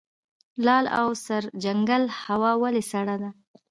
لعل او سرجنګل هوا ولې سړه ده؟